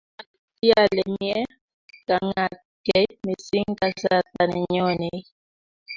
obwoti ale mie keng'atgei mising kasarta nenyonei